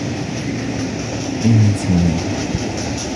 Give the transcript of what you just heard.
انسني.